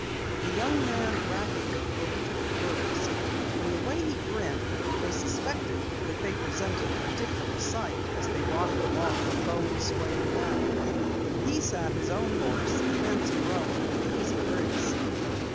The young man rapidly overtook the girls. From the way he grinned, they suspected that they presented a ridiculous sight as they rocked along on Bones' swaying back. He sat his own horse, a handsome roan, with easy grace.